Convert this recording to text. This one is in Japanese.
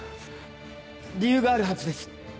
理由があるはずです。